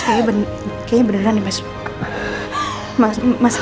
kayaknya beneran ya mas